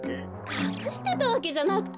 かくしてたわけじゃなくてね。